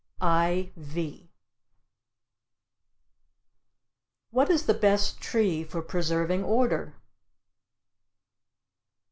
4? IV. What is the best tree for preserving order?